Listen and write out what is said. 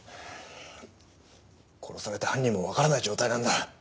殺されて犯人もわからない状態なんだ。